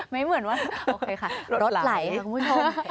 ไม่เหมือนว่าโอเคค่ะรถไหลค่ะคุณผู้ชม